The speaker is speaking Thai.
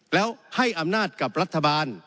แล้วให้อำนาจกับรัฐบาล